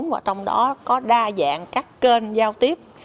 và trong đó có đa dạng các kênh giao tiếp